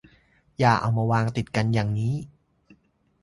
อย่าเอามาวางติดกันอย่างงี้